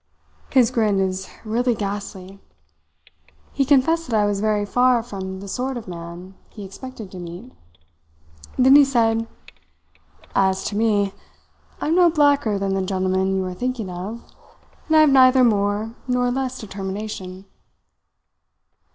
His grin is really ghastly. He confessed that I was very far from the sort of man he expected to meet. Then he said: "'As to me, I am no blacker than the gentleman you are thinking of, and I have neither more nor less determination.'"